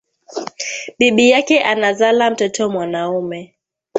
Bibiyake anazala mtoto mwanaume